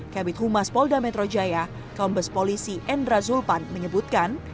kabit humas polda metro jaya kombes polisi endra zulpan menyebutkan